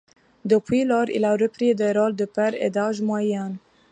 Depuis lors, il a repris des rôles de père et d'âge moyen.